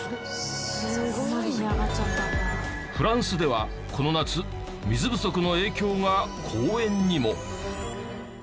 フランスではこの夏水不足の影響が公園にも。